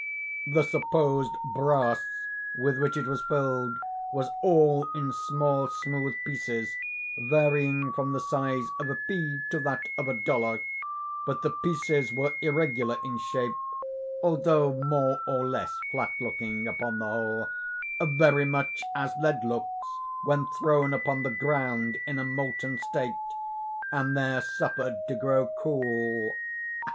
The supposed brass with which it was filled was all in small, smooth pieces, varying from the size of a pea to that of a dollar; but the pieces were irregular in shape, although more or less flat looking, upon the whole, "very much as lead looks when thrown upon the ground in a molten state, and there suffered to grow cool."